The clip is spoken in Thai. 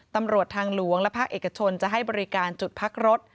ตำรวจทางหลวงและภาคเอกชนจะให้บริการจุดพักรถ